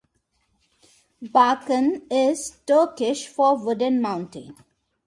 Balkan is Turkish for "Wooded mountain".